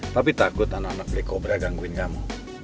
tapi takut anak anak pilih kobra gangguin kamu